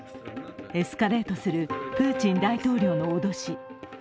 エスカレートするプーチン大統領の脅し。